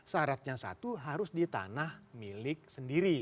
syaratnya satu harus di tanah milik sendiri